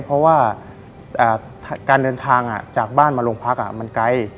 เพราะว่าการเดินทางจากบ้านมาโรงพักมันไกล